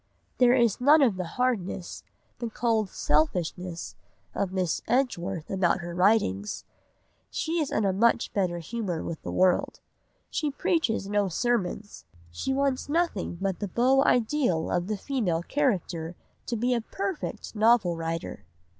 There is none of the hardness, the cold selfishness, of Miss Edgeworth about her writings; she is in a much better humour with the world; she preaches no sermons; she wants nothing but the beau ideal of the female character to be a perfect novel writer!"